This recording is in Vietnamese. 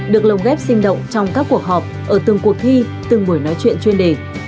được lồng ghép sinh động trong các cuộc họp ở từng cuộc thi từng buổi nói chuyện chuyên đề